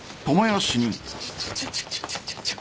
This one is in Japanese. ちょちょちょ。